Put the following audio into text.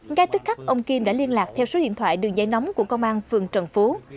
ngay tức khắc ông kim đã liên lạc theo số điện thoại đường dây nóng của công an phường trần phú